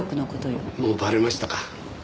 もうバレましたか。